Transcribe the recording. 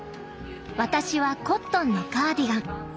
私はコットンのカーディガン。